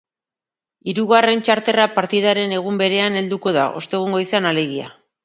Hirugarren charterra partidaren egun berean helduko da, ostegun goizean alegia.